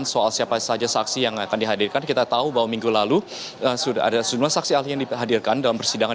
soal siapa saja saksi yang akan dihadirkan kita tahu bahwa minggu lalu sudah ada sejumlah saksi ahli yang dihadirkan dalam persidangan